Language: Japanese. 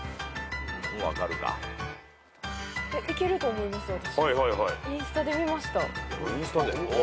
いけると思います私。